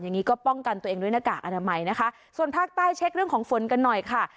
อย่างนี้ก็ป้องกันตัวเองด้วยหน้ากากอนามัยนะคะส่วนภาคใต้เช็คเรื่องของฝนกันหน่อยค่ะ